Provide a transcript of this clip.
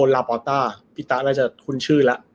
ลาปอต้าพี่ต้าน่าจะคุ้นชื่อแล้ว